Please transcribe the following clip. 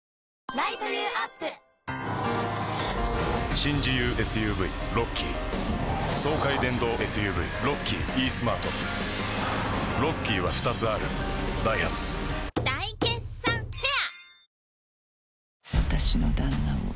新自由ＳＵＶロッキー爽快電動ＳＵＶロッキーイースマートロッキーは２つあるダイハツ大決算フェア